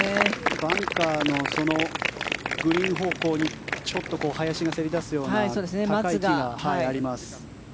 バンカーのグリーン方向にちょっと林がせり出すような高い木があります。